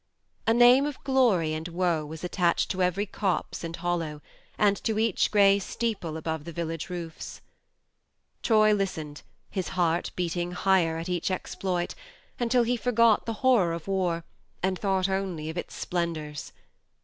A name of glory and woe was attached to every copse and hollow, and to each grey steeple above the village roofs. ... THE MARNE 31 Troy listened, his heart beating higher at each exploit, till he forgot the horror of war, and thought only of its splendours.